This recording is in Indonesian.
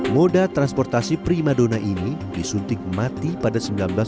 moda transportasi prima donna ini disuntik mati pada seribu sembilan ratus tujuh puluh delapan